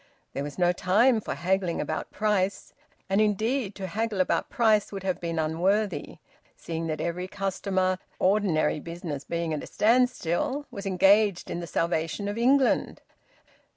There was no time for haggling about price; and indeed to haggle about price would have been unworthy, seeing that every customer (ordinary business being at a standstill), was engaged in the salvation of England.